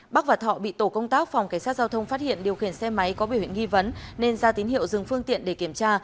bắc và thọ bị tổ công tác phòng cảnh sát giao thông phát hiện điều khiển xe máy có biểu hiện nghi vấn nên ra tín hiệu dừng phương tiện để kiểm tra